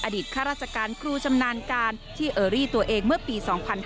ข้าราชการครูชำนาญการที่เออรี่ตัวเองเมื่อปี๒๕๕๙